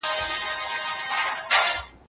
هغه د یوې ایډیال ټولني په لټه کي و.